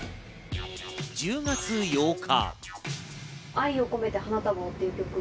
１０月８日。